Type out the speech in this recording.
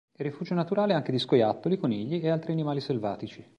È rifugio naturale anche di scoiattoli, conigli e altri animali selvatici.